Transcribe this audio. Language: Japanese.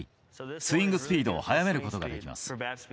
スイングスピードを速めることができます。